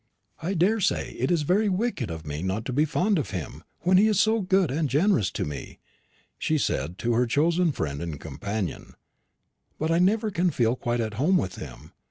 "I daresay it is very wicked of me not to be fond of him, when he is so good and generous to me," she said to her chosen friend and companion; "but I never can feel quite at home with him.